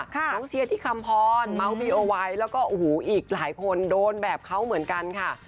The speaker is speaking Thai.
โมงเซียที่คำพรมั๊วบีโอไวแล้วก็อีกหลายคนโดนแบบเขาเหมือนกันค่ะ